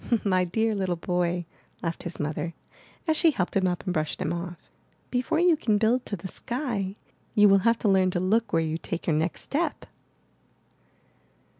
My dear little boy," laughed his mother as she helped him up and brushed him off, '^before you can build to the sky, you will have to learn to look where you take your next step!"